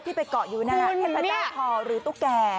ที่ไปเกาะอยู่หน้าเทพเจ้าทอหรือตุ๊กแก่